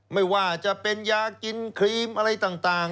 ไม่ว่าจะเป็นยากินครีมอะไรต่าง